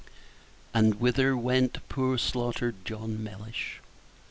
And whither went poor slaughtered John Mellish?